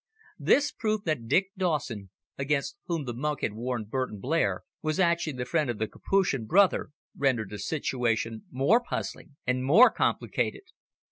This proof that Dick Dawson, against whom the monk had warned Burton Blair, was actually the friend of the Capuchin brother rendered the situation more puzzling and more complicated.